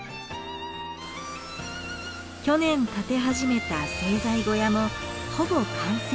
去年建て始めた製材小屋もほぼ完成。